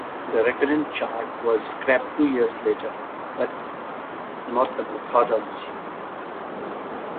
The recurrent chart was scrapped two years later, but not the methodology.